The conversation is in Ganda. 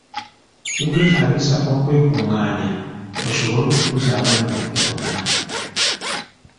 Kikwetaagisa okwekung'aanya osobole okukuza abaana baffe bano.